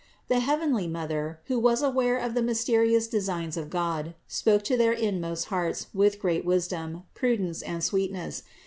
The heavenly Mother, who was aware of the mysterious designs of God, spoke to their inmost hearts with great wisdom, prudence and sweetness.